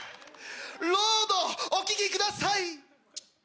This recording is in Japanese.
『ロード』お聴きください。